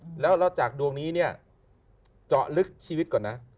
แล้วทางเดียวจอกดวงนี้เจาะลึกชีวิตก่อนนะ